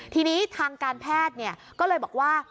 ทีนี้ทางการแพทย์ก็เลยบอกว่า